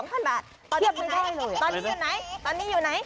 เทียบไม่ได้เลยตอนนี้อยู่ไหน